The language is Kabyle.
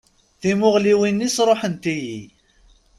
Timuɣliwin-is rḥant-iyi.